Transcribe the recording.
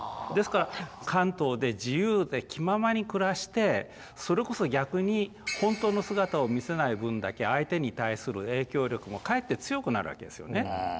ですから関東で自由で気ままに暮らしてそれこそ逆に本当の姿を見せない分だけ相手に対する影響力もかえって強くなるわけですよね。